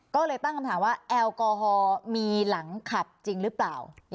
ก็เลยตั้งคำถามว่าแอลกอฮอล์มีหลังขับจริงหรือเปล่า